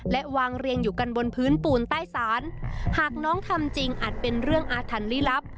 และวางเรียงอยู่กันบนพื้นปูนใต้ศาลหากน้องทำจริงอาจเป็นเรื่องอาถรรพ์ลี้ลับ